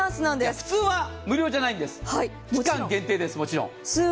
普通は無料じゃないんです、期間限定です。